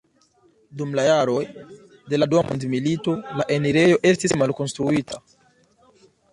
Dum la jaroj de la dua mondmilito la enirejo estis malkonstruita.